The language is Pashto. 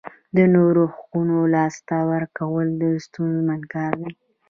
د نورو حقوقو لاسه ورکول ستونزمن کار دی.